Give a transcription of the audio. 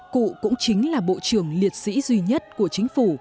cụ cũng chính là bộ trưởng liệt sĩ duy nhất của chính phủ